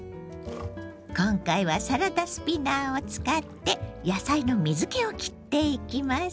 今回はサラダスピナーを使って野菜の水けをきっていきます。